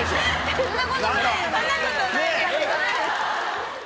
そんなことないです。